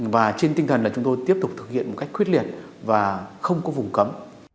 và trên tinh thần là chúng tôi tiếp tục thực hiện một cách quyết liệt và không có vùng cấm